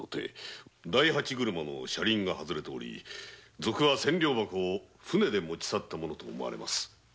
大八車の車輪が外れており賊は千両箱を舟で持ち去ったものと思われます。